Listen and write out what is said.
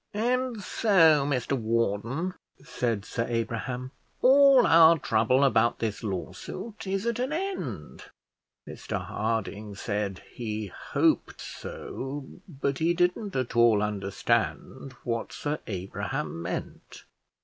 "And so, Mr Warden," said Sir Abraham, "all our trouble about this lawsuit is at an end." Mr Harding said he hoped so, but he didn't at all understand what Sir Abraham meant.